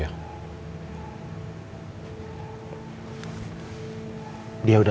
ketemu lagi ya kak sofia